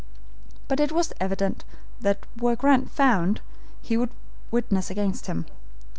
But it was evident that were Grant found, he would be a witness against him.